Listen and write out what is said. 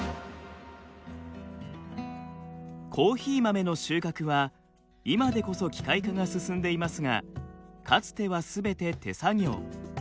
コーヒー豆の収穫は今でこそ機械化が進んでいますがかつてはすべて手作業。